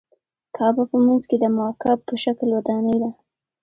کعبه په منځ کې د مکعب په شکل ودانۍ ده.